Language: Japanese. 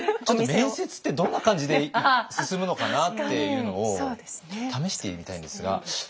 ちょっと面接ってどんな感じで進むのかなっていうのを試してみたいんですが。